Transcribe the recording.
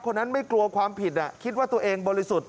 คนนั้นไม่กลัวความผิดคิดว่าตัวเองบริสุทธิ์